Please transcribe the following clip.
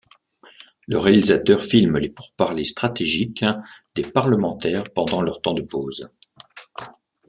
Le réalisateur filme les pourparlers stratégiques des parlementaires pendant leurs temps de pause.